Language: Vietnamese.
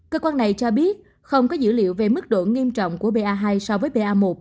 cơ quan này cho biết không có dữ liệu về mức độ nghiêm trọng của ba hai so với pa một